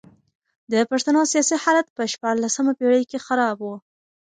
د پښتنو سیاسي حالت په شپاړلسمه پېړۍ کي خراب و.